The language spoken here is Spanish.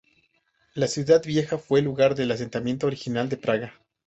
La ciudad vieja fue el lugar del asentamiento original de Praga.